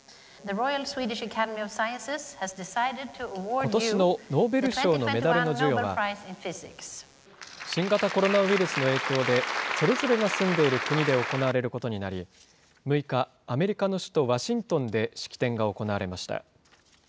ことしのノーベル賞のメダルの授与は、新型コロナウイルスの影響で、それぞれが住んでいる国で行われることになり、６日、アメリカの首都ワシントンで式典が行われました。